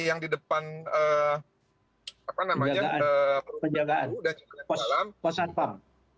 yang di depan perut itu dan juga di dalam